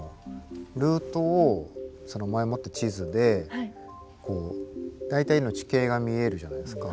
ルートを前もって地図で大体の地形が見えるじゃないですか。